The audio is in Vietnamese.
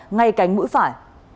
ngay cánh mũi phải